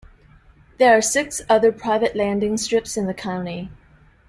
There are six other private landing strips in the county.